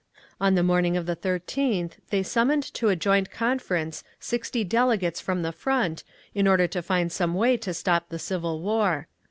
On the morning of the 13th they summoned to a joint conference sixty delegates from the Front, in order to find some way to stop the civil war.